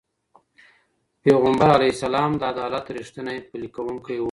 پېغمبر علیه السلام د عدالت رښتینی پلي کوونکی و.